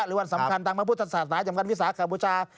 หรือวันสำคัญทางมาพุทธศาสตรายำกันวิสาขบุชา